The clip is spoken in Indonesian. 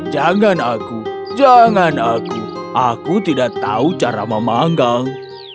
jangan aku jangan aku aku tidak tahu cara memanggang